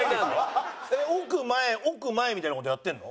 奥前奥前みたいな事やってるの？